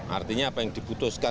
artinya apa yang diputuskan